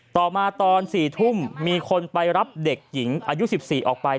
ต่อมาตอน๔ทุ่มมีคนไปรับเด็กหญิงอายุ๑๔ออกไป